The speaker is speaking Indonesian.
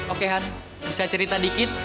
oke han bisa cerita dikit